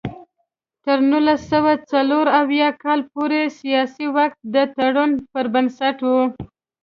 تر نولس سوه څلور اویا کال پورې سیاسي واک د تړون پر بنسټ و.